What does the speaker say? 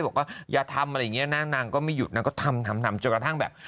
บอกว่าอย่าทำอะไรอย่างนี้นะนางก็ไม่หยุดนางก็ทำทำจนกระทั่งแบบ